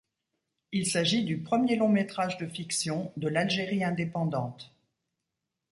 Il s'agit du premier long-métrage de fiction de l'Algérie indépendante.